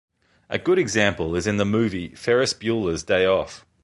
A good example is in the movie "Ferris Bueller's Day Off".